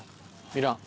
いらん。